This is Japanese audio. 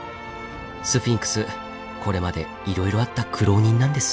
スフィンクスこれまでいろいろあった苦労人なんです。